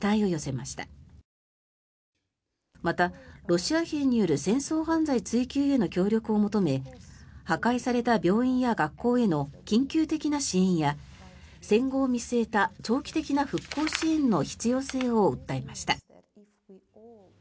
また、ロシア兵による戦争犯罪追及への協力を求め破壊された病院や学校への緊急的な支援や戦後を見据えた長期的な復興支援の必要性を訴えました。